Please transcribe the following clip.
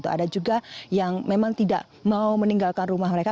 ada juga yang memang tidak mau meninggalkan rumah mereka